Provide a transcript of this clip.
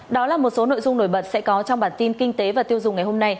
đó là một số nội dung nổi bật sẽ có trong bản tin kinh tế và tiêu dùng ngày hôm nay